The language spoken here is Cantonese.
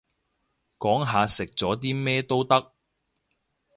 講下食咗啲咩都得